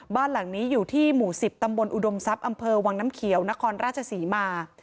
บ้านหลังนี้อยู่ที่หมู่๑๐ตำบลอุดมทรัพย์อำเภอวังน้ำเขียวนครราชศรีมา